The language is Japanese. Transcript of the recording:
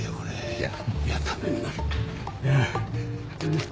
いや。